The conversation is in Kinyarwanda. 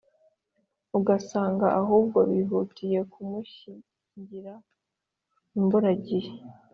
ugasanga ahubwo bihutiye kumushyingira imburagihe